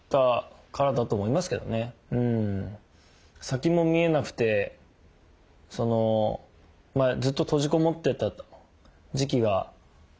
先も見えなくてずっと閉じこもってた時期が長かったので。